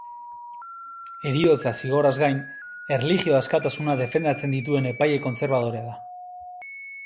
Heriotza-zigorraz gain, erlijio-askatasuna defendatzen dituen epaile kontserbadorea da.